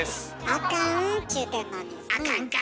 あかんちゅうてんのに。あかんか。